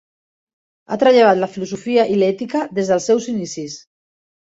Ha treballat la filosofia i l'ètica des dels seus inicis.